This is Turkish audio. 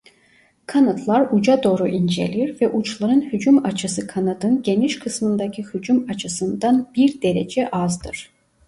Kanatlar uca doğru incelir ve uçların hücum açısı kanadın geniş kısmındaki hücum açısından bir derece azdır.